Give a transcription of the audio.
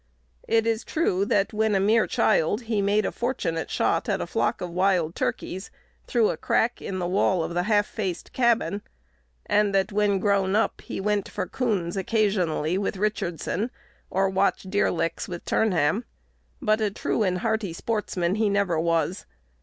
It is true, that, when a mere child, he made a fortunate shot at a flock of wild turkeys, through a crack in the wall of the "half faced cabin;"3 and that, when grown up, he went for coons occasionally with Richardson, or watched deer licks with Turnham; but a true and hearty sportsman he never was.